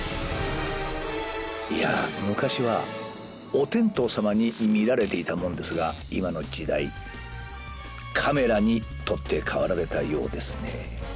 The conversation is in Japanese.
いやあ昔はおてんとうさまに見られていたもんですが今の時代カメラに取って代わられたようですね。